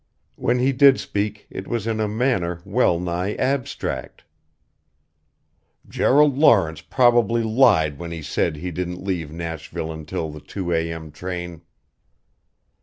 When he did speak it was in a manner well nigh abstract "Gerald Lawrence probably lied when he said he didn't leave Nashville until the two a.m. train."